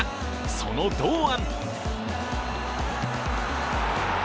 その堂安。